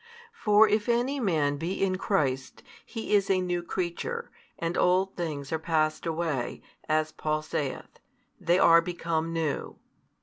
For if any man be in Christ, he is a new creature; and old things are passed away, as Paul saith, they are become new.